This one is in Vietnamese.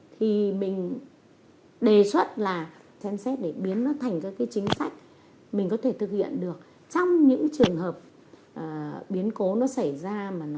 thì mình đề xuất là xem xét để biến nó thành các cái chính sách mình có thể thực hiện được trong những trường hợp biến cố nó xảy ra